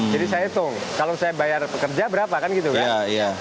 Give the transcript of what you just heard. jadi saya hitung kalau saya bayar pekerja berapa kan gitu kan